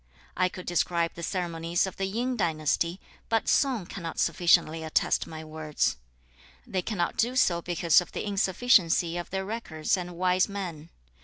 I could describe the ceremonies of the Yin dynasty, but Sung cannot sufficiently attest my words. (They cannot do so) because of the insufficiency of their records and wise men.